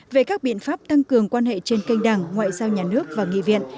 về các biện pháp tăng cường quan hệ trên kênh đảng ngoại giao nhà nước và nghị viện